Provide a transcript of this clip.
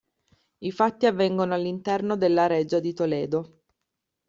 I fatti avvengono all'interno della reggia di Toledo.